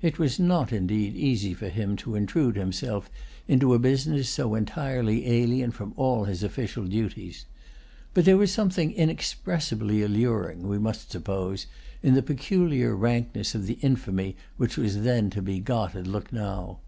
It was not indeed easy for him to intrude himself into a business so entirely alien from all his official duties. But there was something inexpressibly alluring, we must suppose, in the peculiar rankness of the infamy which was then to be got at Lucknow.